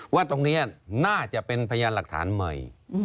ว่าตรงนี้น่าจะเป็นพยานหลักฐานใหม่